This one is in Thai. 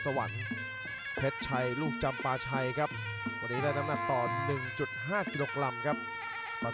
ต่อไปกับที่สุดของทายท่านประจูปฮิลิกันประจูปฮิลิกันปราฟุตรี